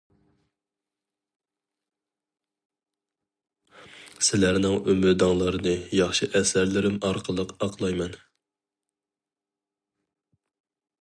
سىلەرنىڭ ئۈمىدىڭلارنى ياخشى ئەسەرلىرىم ئارقىلىق ئاقلايمەن.